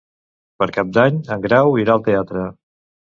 Per Cap d'Any en Grau irà al teatre.